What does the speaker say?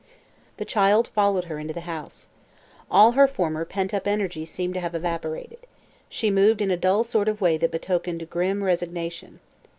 The child followed her into the house. All her former pent up energy seemed to have evaporated. She moved in a dull sort of way that betokened grim resignation.